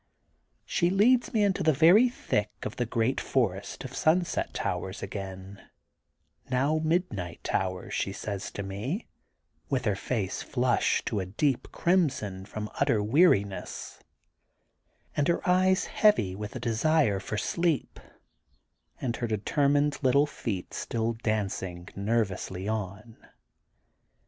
She leads me into the very thick of the great forest of Sunset Towers again, now midnight towers, '' she says to me, with her face flushed to a deep crimson from utter weariness, and her eyes heavy with the desire for sleep, and her determined little feet still dancing nervously on.